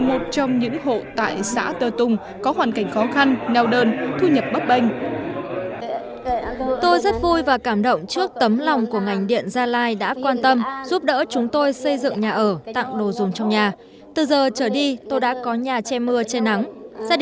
hỗ trợ những đối tượng có hoàn cảnh khó khăn đặc biệt là đồng bào dân tộc nhằm giúp họ vươn lên ổn định cuộc sống